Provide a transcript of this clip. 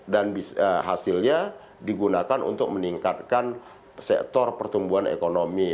dan hasilnya digunakan untuk meningkatkan sektor pertumbuhan ekonomi